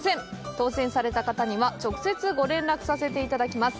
当せんされた方には直接ご連絡させていただきます。